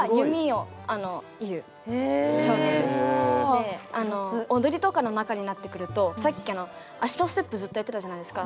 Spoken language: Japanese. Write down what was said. で踊りとかの中になってくるとさっきあの足のステップずっとやってたじゃないですか。